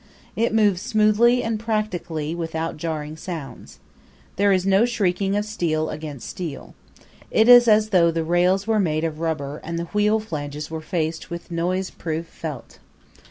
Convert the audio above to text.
It moves smoothly and practically without jarring sounds. There is no shrieking of steel against steel. It is as though the rails were made of rubber and the wheel flanges were faced with noise proof felt.